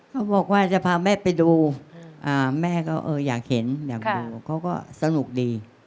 เขาบอกว่าจะพาแม่ไปดูแม่ก็อยากเห็นอยากดูเขาก็สนุกดี